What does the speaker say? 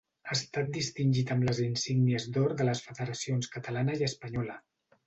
Ha estat distingit amb les insígnies d’or de les federacions catalana i espanyola.